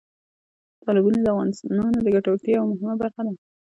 تالابونه د افغانانو د ګټورتیا یوه مهمه برخه ده.